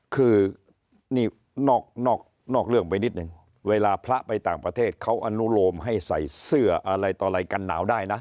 คือนี่นอกเรื่องไปนิดนึงเวลาพระไปต่างประเทศเขาอนุโลมให้ใส่เสื้ออะไรต่ออะไรกันหนาวได้นะ